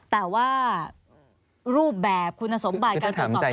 แต่ว่ารูปแบบคุณสมบัติการตรวจสอบก็เปลี่ยนไปใช่ไหม